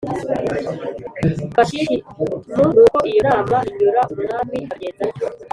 Vashiti m nuko iyo nama inyura umwami abigenza atyo